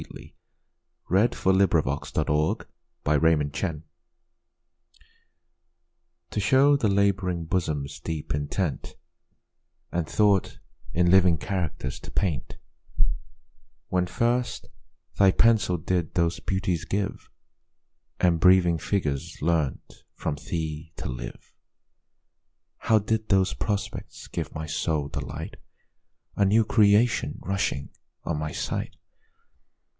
To S. M. a young African Painter, on seeing his Works. TO show the lab'ring bosom's deep intent, And thought in living characters to paint, When first thy pencil did those beauties give, And breathing figures learnt from thee to live, How did those prospects give my soul delight, A new creation rushing on my sight?